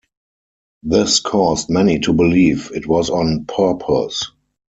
This caused many to believe it was on purpose.